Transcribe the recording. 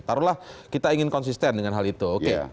taruhlah kita ingin konsisten dengan hal itu